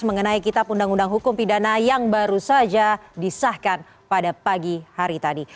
mengenai kitab undang undang hukum pidana yang baru saja disahkan pada pagi hari tadi